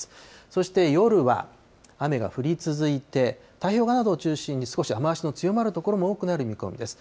そして、夜は雨が降り続いて、太平洋側などを中心に少し雨足の強まる所も多くなる見込みです。